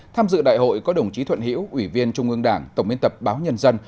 tham dự đại hội có đồng chí thuận hiễu ủy viên trung ương đảng tổng biên tập báo nhân dân